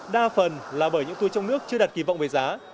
đa phần là bởi những tour trong nước chưa đặt kỳ vọng về giá